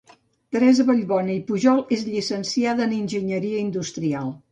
Teresa Vallbona Pujol és llicenciada en Enginyeria industrial.